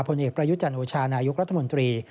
ผลเอกประยุจันโอชานายกรัฐมนตรี